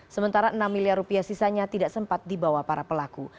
sementara enam miliar rupiah sisanya tidak sempat dibawa para pelaku